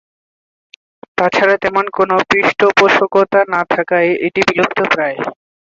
তাছাড়া তেমন কোনো পৃষ্ঠপোষকতা না থাকায় এটি বিলুপ্তপ্রায়।